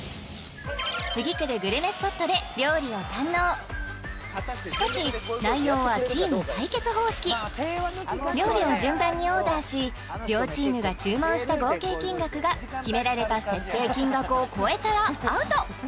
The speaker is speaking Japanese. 次くるグルメスポットで料理を堪能しかし内容はチーム対決方式料理を順番にオーダーし両チームが注文した合計金額が決められた設定金額を超えたらアウト！